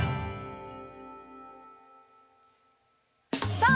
◆さあ、